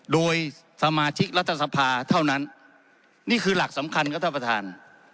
โดยสมาชิกรัฐสภาเท่านั้นนี่คือหลักสำคัญครับท่านประธาน